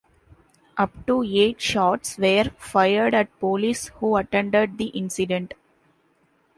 Up to eight shots were fired at police who attended the incident.